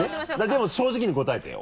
でも正直に答えてよ。